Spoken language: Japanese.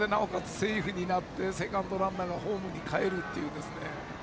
セーフになってセカンドランナーがホームにかえるという。